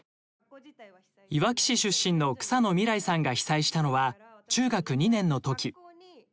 いわき市出身の草野みらいさんが被災したのは中学２年のとき。